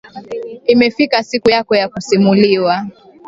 Imefika siku yako ya kusimuliwa.